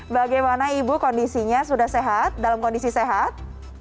bagaimana ibu kondisinya sudah sehat dalam kondisi sehat